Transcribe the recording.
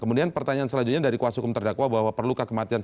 kemudian pertanyaan selanjutnya dari kuasa hukum terdakwa bahwa perlukah kematian